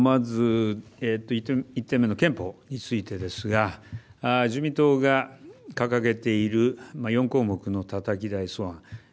まず１点目の憲法についてですが自民党が掲げている４項目のたたき台素案